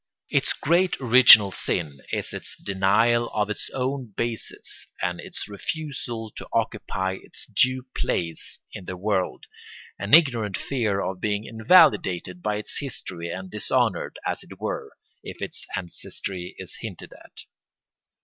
Its great original sin is its denial of its own basis and its refusal to occupy its due place in the world, an ignorant fear of being invalidated by its history and dishonoured, as it were, if its ancestry is hinted at.